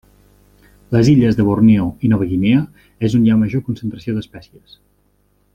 Les illes de Borneo i Nova Guinea és on hi ha major concentració d'espècies.